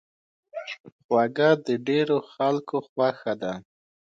خوږه د ډېرو خلکو خوښه ده.